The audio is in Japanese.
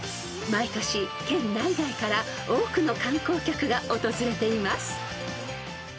［毎年県内外から多くの観光客が訪れています］